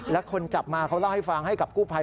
แล้วคนจับมาเขาเล่าให้ฟังให้กับกู้ภัย